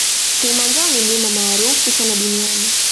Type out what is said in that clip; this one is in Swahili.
Kilimanjaro ni mlima maarufu sana duniani